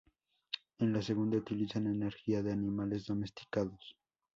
En la segunda, utilizan energía de animales domesticados.